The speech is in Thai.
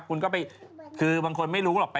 คุณก็ไปคือบางคนไม่รู้หรอก